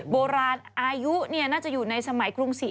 โบราณอายุน่าจะอยู่ในสมัยกรุงศรี